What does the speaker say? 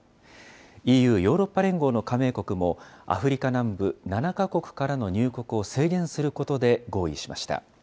ＥＵ・ヨーロッパ連合の加盟国も、アフリカ南部７か国からの入国を制限することで合意しました。